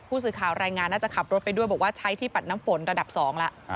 ผู้สื่อข่าวรายงานน่าจะขับรถไปด้วยบอกว่าใช้ที่ปัดน้ำฝนระดับ๒แล้ว